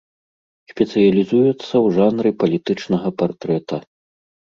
Спецыялізуецца ў жанры палітычнага партрэта.